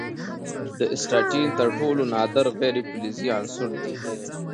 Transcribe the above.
د اسټاټین تر ټولو نادر غیر فلزي عنصر دی.